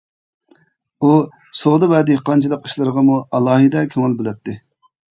ئۇ سودا ۋە دېھقانچىلىق ئىشلىرىغىمۇ ئالاھىدە كۆڭۈل بۆلەتتى.